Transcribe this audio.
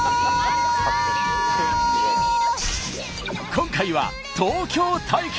今回は東京対決！